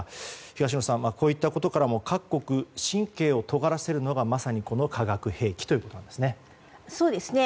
東野さん、こういったことからも各国、神経を尖らせるのがまさに、この化学兵器ということなんですね。